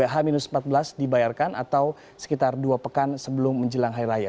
h empat belas dibayarkan atau sekitar dua pekan sebelum menjelang hari raya